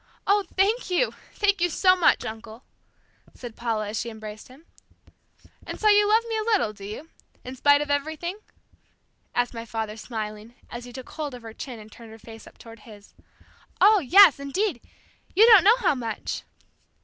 "Oh, thank you, thank you so much, uncle," said Paula as she embraced him. "And so you love me a little, do you? In spite of everything?" asked my father smiling, as he took hold of her chin and turned her face up toward his. "Oh, yes, indeed; you don't know how much!"